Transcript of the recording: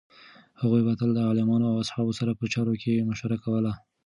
هغوی به تل له عالمانو او اصحابو سره په چارو کې مشوره کوله.